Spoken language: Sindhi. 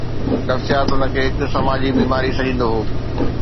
نفسيات ان کي هڪ سماجي بيماري سڏيندو هو.